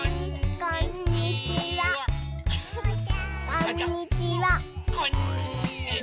こんにちは。